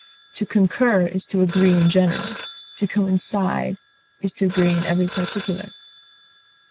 To concur is to agree in general; to coincide is to agree in every particular.